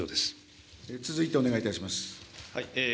続いてお願いいたします。